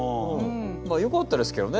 まあよかったですけどね